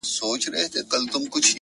ماته دي د سر په بيه دوه جامه راکړي دي-